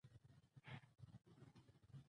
د لم په غوړو کې ډوبه غوښه یې په پتیله کې برابره کړه.